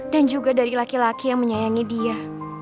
dan juga dari laki laki yang menyayangi dia